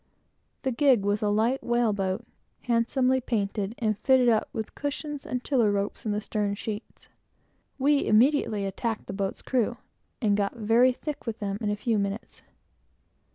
The gig was a light whale boat, handsomely painted, and fitted up with cushions, etc., in the stern sheets. We immediately attacked the boat's crew, and got very thick with them in a few minutes.